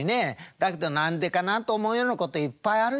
だけどなんでかな？と思うようなこといっぱいあるよ。